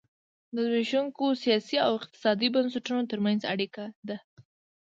د زبېښونکو سیاسي او اقتصادي بنسټونو ترمنځ اړیکه ده.